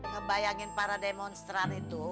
ngebayangin para demonstran itu